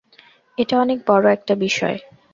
এটা অনেক বড়ো একটা বিষয়।